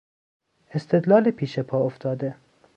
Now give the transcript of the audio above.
استدلال پیش پا افتاده